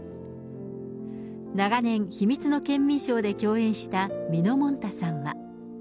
長年、秘密のケンミンＳＨＯＷで共演したみのもんたさんは。